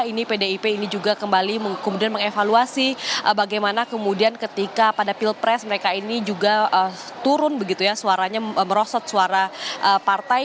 ini pdip ini juga kembali kemudian mengevaluasi bagaimana kemudian ketika pada pilpres mereka ini juga turun begitu ya suaranya merosot suara partai